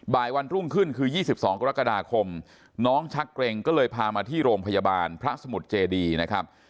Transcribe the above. วันรุ่งขึ้นคือ๒๒กรกฎาคมน้องชักเกร็งก็เลยพามาที่โรงพยาบาลพระสมุทรเจดีนะครับ